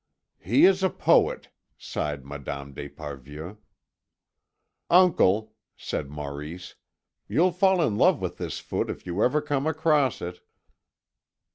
"He is a poet," sighed Madame d'Esparvieu. "Uncle," said Maurice, "you'll fall in love with this foot if you ever come across it."